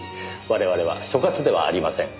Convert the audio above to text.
我々は所轄ではありません。